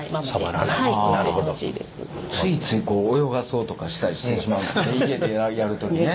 ついついこう泳がそうとかしたりしてしまう家でやる時ね。